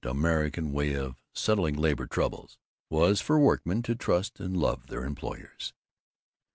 American way of settling labor troubles was for workmen to trust and love their employers.